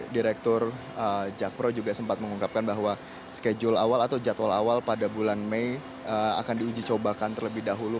direktur jakpro juga sempat mengungkapkan bahwa schedule awal atau jadwal awal pada bulan mei akan diuji cobakan terlebih dahulu